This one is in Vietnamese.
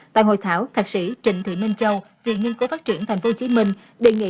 tại hội thảo thạc sĩ trịnh thủy minh châu viện nhân cố phát triển tp hcm đề nghị